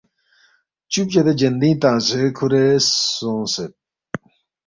چُب چدے جندِنگ تنگسے کُھورے سونگسید